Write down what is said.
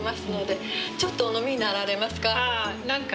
ちょっとお飲みになられますか？